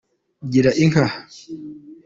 Gira inka.